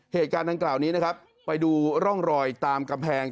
เหตุการณ์ดังกล่าวนี้นะครับไปดูร่องรอยตามกำแพง